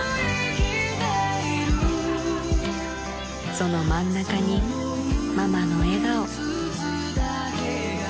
［その真ん中にママの笑顔］